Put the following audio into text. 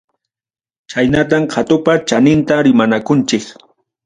Chaynatam qhatupa chaninta rimanakunchik.